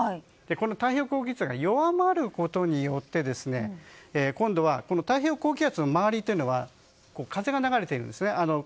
この太平洋高気圧が弱まることによって今度は太平洋高気圧の周りというのは風が流れているんですね。